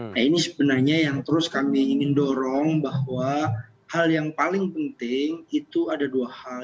nah ini sebenarnya yang terus kami ingin dorong bahwa hal yang paling penting itu ada dua hal